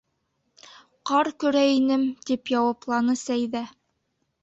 - Ҡар көрәй инем, - тип яуапланы Сәйҙә.